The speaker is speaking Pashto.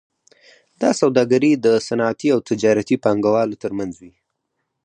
دا سوداګري د صنعتي او تجارتي پانګوالو ترمنځ وي